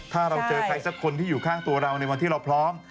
ถ้าเราเจอใครสักคนที่อยู่ข้างตัวเราในวันที่เราพร้อม